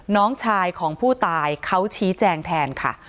น้องชายของผู้ตายเขาชี้แจงแทนค่ะ